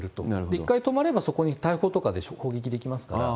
１回止まれば、そこに大砲とかで攻撃できますから。